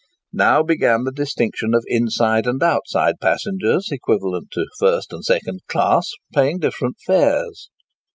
Now began the distinction of inside and outside passengers, equivalent to first and second class, paying different fares.